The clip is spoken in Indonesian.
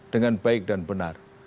dengan baik dan benar